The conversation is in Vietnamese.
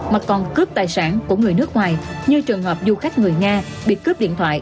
mà còn cướp tài sản của người nước ngoài như trường hợp du khách người nga bị cướp điện thoại